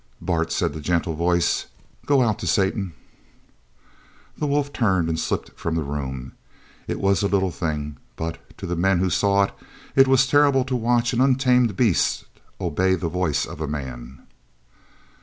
"Bart," said the gentle voice, "go out to Satan." The wolf turned and slipped from the room. It was a little thing, but, to the men who saw it, it was terrible to watch an untamed beast obey the voice of a man.